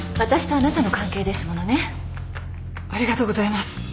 ありがとうございます